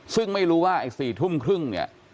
ซึ่งไม่รู้ว่าอีก๔ทุ่มครึ่ง